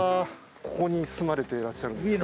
ここに住まれていらっしゃるんですか？